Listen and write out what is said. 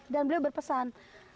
dan beliau berpesan